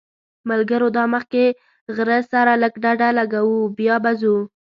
ملګرو دا مخکې غره سره لږ ډډه لګوو بیا به ځو.